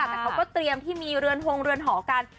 แต่เขาก็เตรียมที่มีเรือนฮงเรือนหอกัน